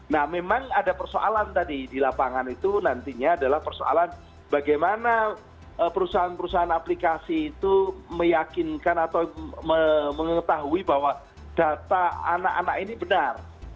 nah memang ada persoalan tadi di lapangan itu nantinya adalah persoalan bagaimana perusahaan perusahaan aplikasi itu meyakinkan atau mengetahui bahwa data anak anak ini benar